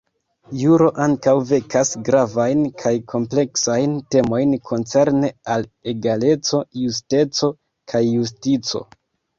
Juro ankaŭ vekas gravajn kaj kompleksajn temojn koncerne al egaleco, justeco, kaj justico.